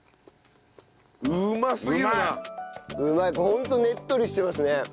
ホントねっとりしてますね。